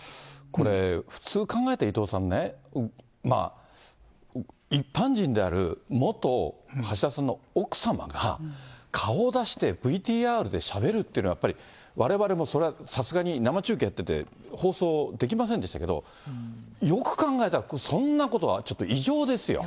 これ、普通考えて伊藤さんね、一般人である元橋田さんの奥様が、顔を出して、ＶＴＲでしゃべるっていうのは、やっぱりわれわれもそれはさすがに生中継やってて、放送できませんでしたけど、よく考えたら、そんなことは、ちょっと異常ですよ。